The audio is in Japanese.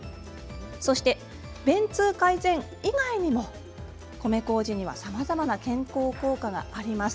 そして便通改善以外にも米こうじにはさまざまな健康効果があります。